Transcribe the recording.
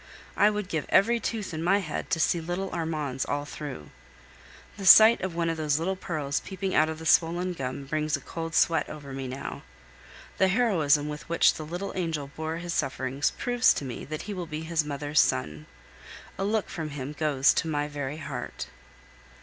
I would give every tooth in my head to see little Armand's all through. The sight of one of those little white pearls peeping out of the swollen gum brings a cold sweat over me now. The heroism with which the little angel bore his sufferings proves to me that he will be his mother's son. A look from him goes to my very heart.